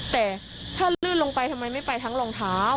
แต่ถ้าลื่นลงไปทำไมไม่ไปทั้งรองเท้า